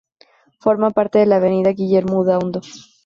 Forma parte de la Avenida Guillermo Udaondo.